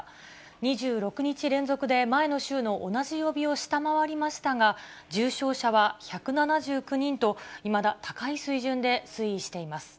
２６日連続で前の週の同じ曜日を下回りましたが、重症者は１７９人と、いまだ高い水準で推移しています。